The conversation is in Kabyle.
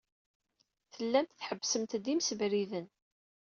Tellamt tḥebbsemt-d imsebriden.